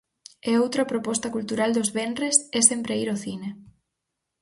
E outra proposta cultural dos venres é sempre ir ao cine.